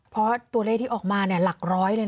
เพราะตัวเลขที่ออกมาหลักร้อยเลย